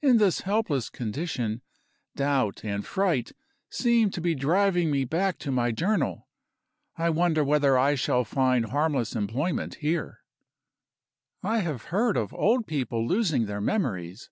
In this helpless condition, doubt and fright seem to be driving me back to my Journal. I wonder whether I shall find harmless employment here. I have heard of old people losing their memories.